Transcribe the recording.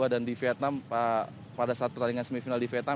dan di vietnam pada saat pertandingan semifinal di vietnam